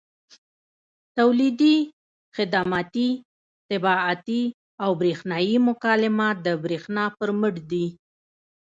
تولیدي، خدماتي، طباعتي او برېښنایي مکالمات د برېښنا پر مټ دي.